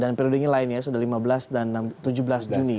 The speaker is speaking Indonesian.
dan periodenya lain ya sudah lima belas dan tujuh belas juni